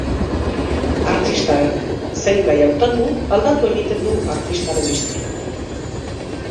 Artistak zein gai hautatu, aldatu egiten da artistaren estiloa.